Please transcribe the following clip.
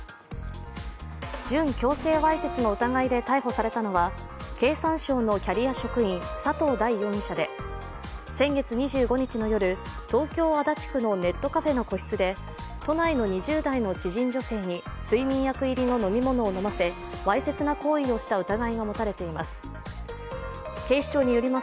準強制わいせつの疑いで逮捕されたのは経産省のキャリア職員、佐藤大容疑者で、先月２５日の夜東京・足立区のネットカフェの個室で、都内の２０代の知人女性に睡眠薬入りの飲み物を飲ませわいせつな行為をした疑いが持たれています。